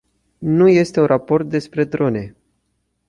Nu este un raport despre drone.